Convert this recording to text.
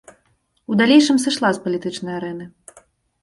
У далейшым сышла з палітычнай арэны.